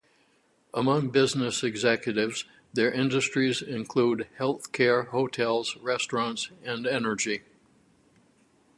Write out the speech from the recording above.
Among business executives, their industries include health care, hotels, restaurants and energy.